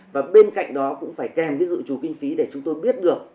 và bên cạnh đó cũng phải kèm cái dự trù kinh phí để chúng tôi biết được